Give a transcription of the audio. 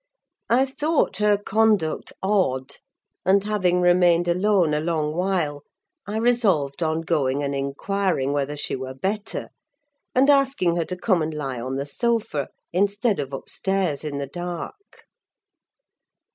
I thought her conduct odd; and having remained alone a long while, I resolved on going and inquiring whether she were better, and asking her to come and lie on the sofa, instead of upstairs in the dark.